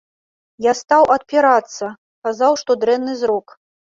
Я стаў адпірацца, казаў, што дрэнны зрок.